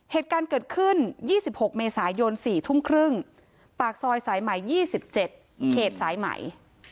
เหตุการณ์เกิดขึ้น๒๖เมษายน๔ทุ่มครึ่งปากซอยสายใหม่๒๗เขตสายใหม่